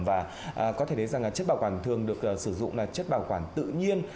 và có thể thấy rằng chất bảo quản thường được sử dụng là chất bảo quản tự nhiên